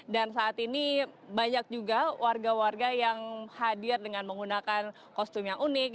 dan saat ini banyak juga warga warga yang hadir dengan menggunakan kostum yang unik